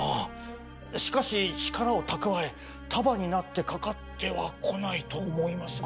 しかし力を蓄え束になってかかってはこないと思いますが。